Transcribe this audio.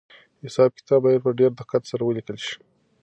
حساب کتاب باید په ډېر دقت سره ولیکل شي.